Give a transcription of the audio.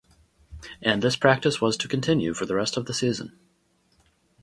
And this practice was to continue for the rest of the session.